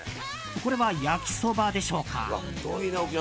これは焼きそばでしょうか。